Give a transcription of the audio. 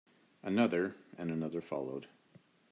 Another and another followed.